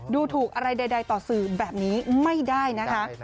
ดูถูกอะไรใดต่อสื่อแบบนี้ไม่ได้นะคะ